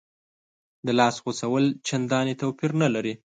د لاس غوڅول چندانې توپیر نه لري.